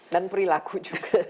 dan perilaku juga